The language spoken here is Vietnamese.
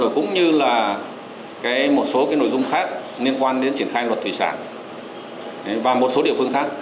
cũng như là một số nội dung khác liên quan đến triển khai luật thủy sản và một số địa phương khác